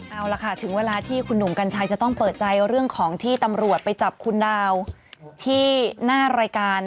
เอาล่ะค่ะถึงเวลาที่คุณหนุ่มกัญชัยจะต้องเปิดใจเรื่องของที่ตำรวจไปจับคุณดาวที่หน้ารายการ